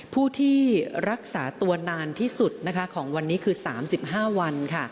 ผู้ที่รักษาตัวนานที่สุดของวันนี้คือ๓๕วัน